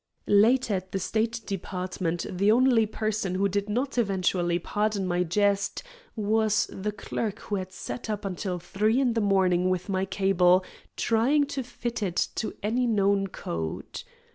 Later at the State Department the only person who did not eventually pardon my jest was the clerk who had sat up until three in the morning with my cable, trying to fit it to any known code.